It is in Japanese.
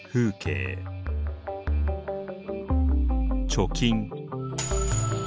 貯金。